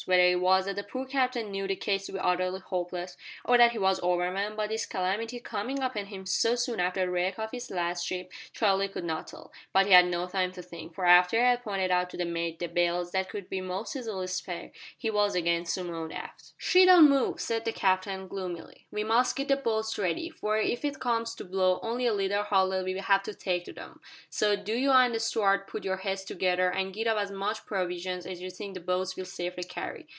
Whether it was that the poor captain knew the case to be utterly hopeless, or that he was overwhelmed by this calamity coming upon him so soon after the wreck of his last ship, Charlie could not tell, but he had no time to think, for after he had pointed out to the mate the bales that could be most easily spared he was again summoned aft. "She don't move," said the captain, gloomily. "We must git the boats ready, for if it comes on to blow only a little harder we'll have to take to 'em. So do you and the stooard putt your heads together an' git up as much provisions as you think the boats will safely carry.